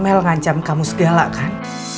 mel ngancam kamu segala kan